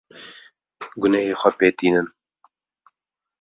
Gunehê xwe pê tînin.